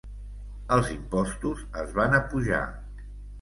Els impostos es van apujar.